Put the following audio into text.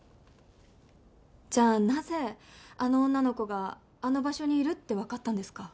じゃあなぜあの女の子があの場所にいるってわかったんですか？